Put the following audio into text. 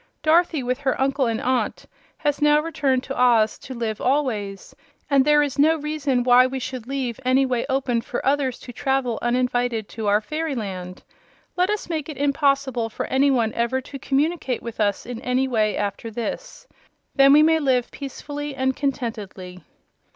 Dorothy, with her uncle and aunt, has now returned to Oz to live always, and there is no reason why we should leave any way open for others to travel uninvited to our fairyland. Let us make it impossible for any one ever to communicate with us in any way, after this. Then we may live peacefully and contentedly."